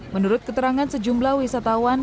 menurut keterangan sejumlah wisatawan